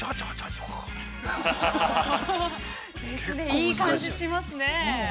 ◆いい感じしますね。